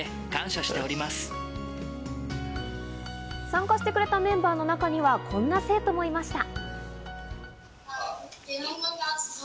参加してくれたメンバーの中にはこんな生徒もいました。